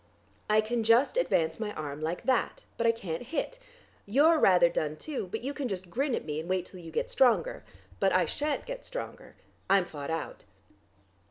I can just advance my arm like that, but I can't hit. You're rather done, too, but you can just grin at me, and wait till you get stronger. But I shan't get stronger; I'm fought out."